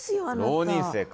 浪人生か。